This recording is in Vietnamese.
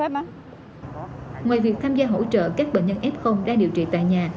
ngoài việc tham gia hỗ trợ các bệnh nhân f đang điều trị tại nhà